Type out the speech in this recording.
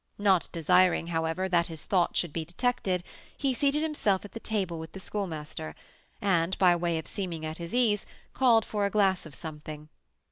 Not desiring, however, that his thoughts should be detected, he seated himself at the table with the Schoolmaster, and, by way of seeming at his ease, called for a glass of something.